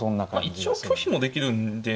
一応拒否もできるんで。